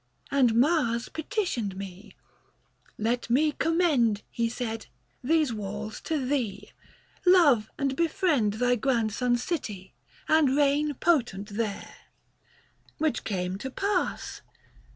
60 And Mars petitioned me : 'Let me commend,' He said, ' these walls to thee ; love and befriend Thy grandson's city, and reign potent there.' Which came to pass.